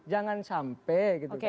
jangan sampai gitu kan